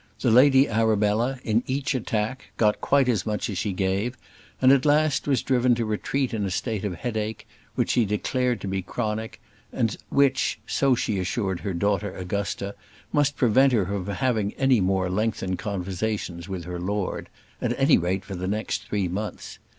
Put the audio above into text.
The Lady Arabella, in each attack, got quite as much as she gave, and, at last, was driven to retreat in a state of headache, which she declared to be chronic; and which, so she assured her daughter Augusta, must prevent her from having any more lengthened conversations with her lord at any rate for the next three months.